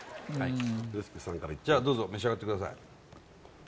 じゃあどうぞ召し上がってください